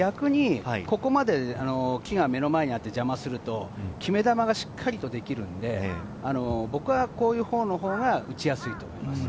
逆にここまで木が目の前にあって邪魔すると、決め球がしっかりとできるんで、僕はこういうほうが打ちやすいと思います。